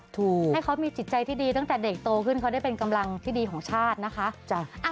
ให้เขามีจิตใจที่ดีตั้งแต่เด็กโตขึ้นเขาได้เป็นกำลังที่ดีของชาตินะคะ